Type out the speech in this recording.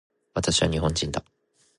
私は日本人だ